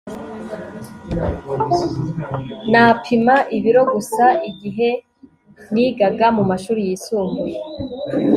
Napima ibiro gusa igihe nigaga mumashuri yisumbuye